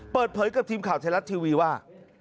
เปิดเผยกับทีมข่าวไทยรัฐทีวีว่า